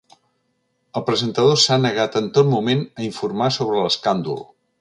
El presentador s’ha negat en tot moment a informar sobre l’escàndol.